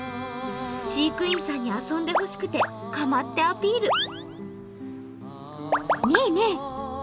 飼育員さんに遊んでほしくて構ってアピール。